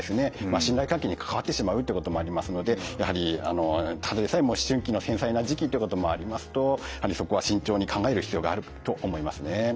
信頼関係に関わってしまうということもありますのでやはりただでさえ思春期の繊細な時期っていうこともありますとやはりそこは慎重に考える必要があると思いますね。